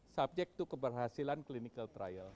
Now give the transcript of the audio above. subject to keberhasilan clinical trial